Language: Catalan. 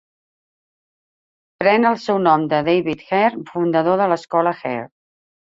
Pren el seu nom de David Hare, fundador de l'escola Hare.